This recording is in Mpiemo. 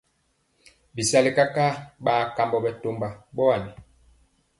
Bisali kakaa ɓa kambɔ bitomba ɓowanɛ.